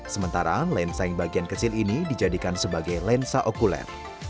sementara lensa yang bagian kecil ini dijadikan sebagai lensa okuler